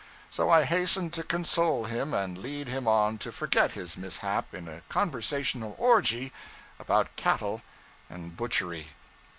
So I hastened to console him and lead him on to forget his mishap in a conversational orgy about cattle and butchery.